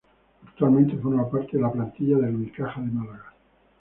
Actualmente forma parte de la plantilla del Unicaja de Málaga.